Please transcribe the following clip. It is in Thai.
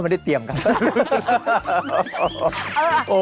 ไม่ได้เตรียมกัน